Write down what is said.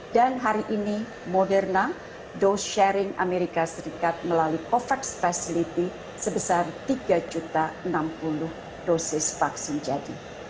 dan hari ini moderna dos sharing amerika serikat melalui covax facility sebesar tiga enam puluh dosis vaksin jadi